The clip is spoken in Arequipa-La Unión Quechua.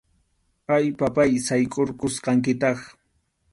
A, papáy, saykʼurqusqankitaq.